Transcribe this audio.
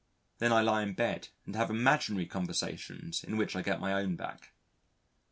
Then I lie in bed and have imaginary conversations in which I get my own back.